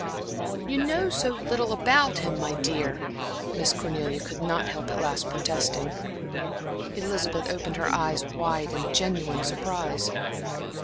"You know so little about him, my dear," Miss Cornelia could not help at last protesting. Elizabeth opened her eyes wide in genuine surprise.